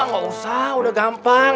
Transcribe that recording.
gak usah udah gampang